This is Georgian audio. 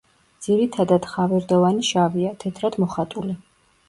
ძირითადად ხავერდოვანი შავია, თეთრად მოხატული.